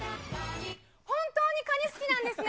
本当にかに好きなんですね。